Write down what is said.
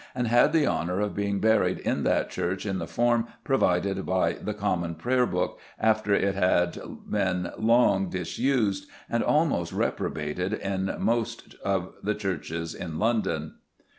and had the honour of being buried in that church in the form provided by the Common Prayer Book after it had been long disused and almost reprobated in most of the churches in London."